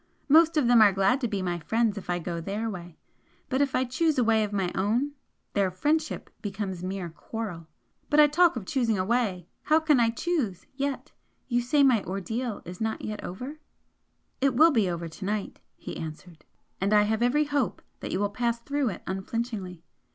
Most of them are glad to be my friends if I go THEIR way but if I choose a way of my own their 'friendship' becomes mere quarrel. But I talk of choosing a way! How can I choose yet? You say my ordeal is not over?" "It will be over to night," he answered "And I have every hope that you will pass through it unflinchingly.